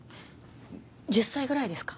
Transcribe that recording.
１０歳ぐらいですか？